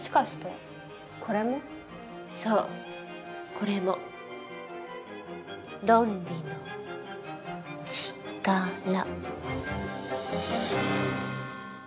これも「ロンリのちから」。